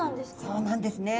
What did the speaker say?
そうなんですね。